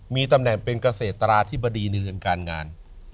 มีตำแหน่งเป็นเกษตราธิบดีในเรื่องการงาน